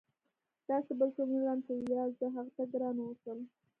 داسې بل څوک نه لرم چې یا زه هغه ته ګرانه واوسم.